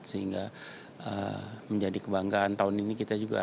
sehingga menjadi kebanggaan tahun ini kita juga